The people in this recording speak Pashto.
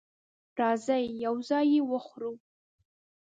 راځئ یو ځای یی وخورو